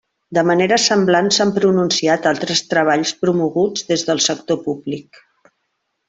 De manera semblant s'han pronunciat altres treballs promoguts des del sector públic.